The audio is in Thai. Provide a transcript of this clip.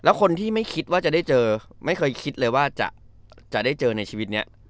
แล้วคนที่ไม่คิดว่าจะได้เจอไม่เคยคิดเลยว่าจะได้เจอในชีวิตนี้